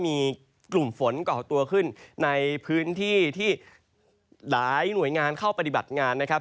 มีกลุ่มฝนก่อตัวขึ้นในพื้นที่ที่หลายหน่วยงานเข้าปฏิบัติงานนะครับ